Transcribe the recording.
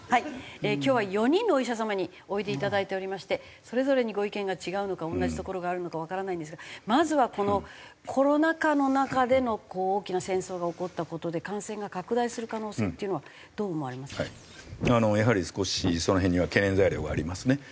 今日は４人のお医者様においでいただいておりましてそれぞれにご意見が違うのか同じところがあるのかわからないんですがまずはこのコロナ禍の中での大きな戦争が起こった事で感染が拡大する可能性っていうのはどう思われますか？